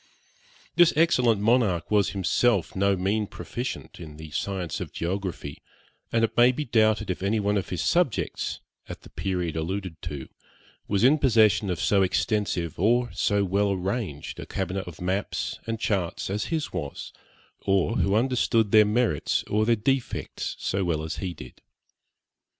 This excellent monarch was himself no mean proficient in the science of geography; and it may be doubted if any one of his subjects, at the period alluded to, was in possession of so extensive or so well arranged a cabinet of maps and charts as his was, or who understood their merits or their defects so well as he did.